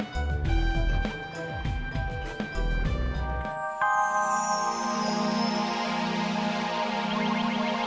sampai jumpa lagi